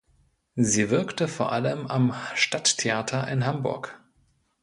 Sie wirkte vor allem am Stadttheater in Hamburg.